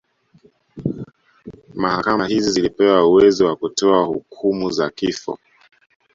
Mahakama hizi zilipewa uwezo wa kutoa hukumu za kifo